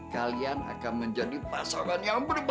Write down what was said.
kalian akan menjadi pasangan yang berbeda